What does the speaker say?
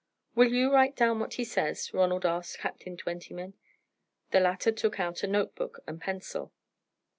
"Will you write down what he says?" Ronald asked Captain Twentyman. The latter took out a note book and pencil.